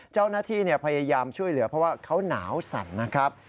เจ้าหน้าที่พยายามช่วยเหลือเพราะว่าเขาหนาวสั่นนะครับ